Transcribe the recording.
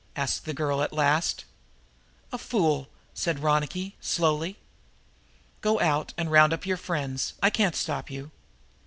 asked the girl at last. "A fool," said Ronicky slowly. "Go out and round up your friends; I can't stop you."